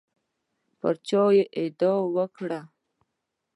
پر چا دعوه وکړي.